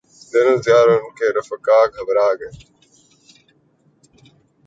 General Zia اور ان کے رفقاء گھبرا گئے۔